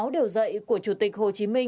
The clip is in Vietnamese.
sáu điều dạy của chủ tịch hồ chí minh